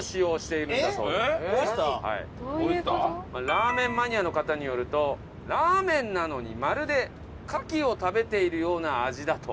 ラーメンマニアの方によるとラーメンなのにまるで牡蠣を食べているような味だと。